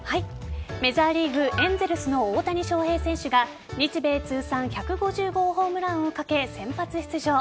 メジャーリーグエンゼルスの大谷翔平選手が日米通算１５０号ホームランをかけ先発出場。